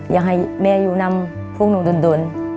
อยากให้แม่อยู่นำพวกหนูโดน